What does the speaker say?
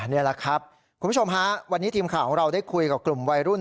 นี่แหละครับคุณผู้ชมฮะวันนี้ทีมข่าวของเราได้คุยกับกลุ่มวัยรุ่น